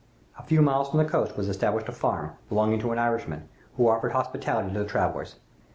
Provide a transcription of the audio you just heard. A few miles from the coast was established a farm, belonging to an Irishman, who offered hospitality to the travelers.